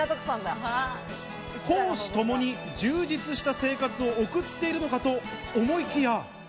公私ともに充実した生活を送っているのかと思いきや。